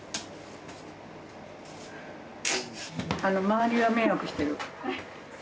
周りは迷惑してる。